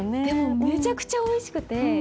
でもめちゃくちゃおいしくて。